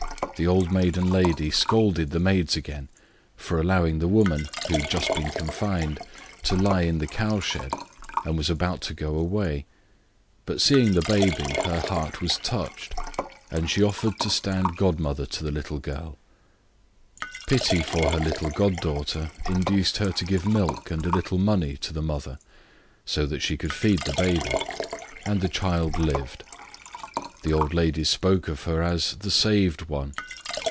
The old maiden lady scolded the maids again for allowing the woman (who had just been confined) to lie in the cowshed, and was about to go away, but seeing the baby her heart was touched, and she offered to stand godmother to the little girl, and pity for her little god daughter induced her to give milk and a little money to the mother, so that she should feed the baby; and the little girl lived. The old ladies spoke of her as "the saved one."